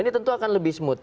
ini tentu akan lebih smooth